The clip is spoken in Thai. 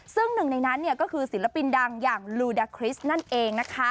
ซึ่งหนึ่งในนั้นก็คือศิลปินดังอย่างลูดาคริสต์นั่นเองนะคะ